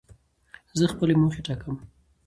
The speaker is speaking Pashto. زه خپلي موخي ټاکم.